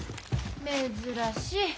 珍しい。